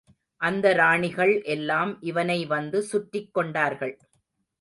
அந்த ராணிகள் எல்லாம் இவனை வந்து சுற்றிக் கொண்டார்கள்.